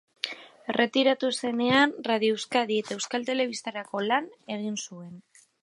Erretiratu zenean, Radio Euskadi eta Euskal Telebistarako lan egin zuen.